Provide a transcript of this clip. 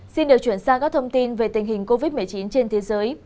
xin được chuyển sang các thông tin về tình hình covid một mươi chín trên thế giới